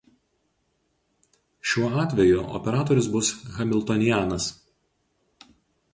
Šiuo atveju operatorius bus hamiltonianas.